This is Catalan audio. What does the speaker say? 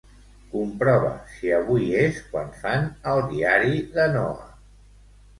Comprova si avui és quan fan "El diari de Noa".